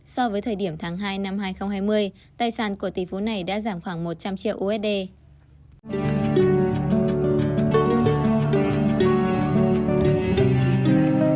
so với thời điểm tháng hai năm hai nghìn hai mươi tài sản của tỷ phú này đã giảm khoảng một trăm linh triệu usd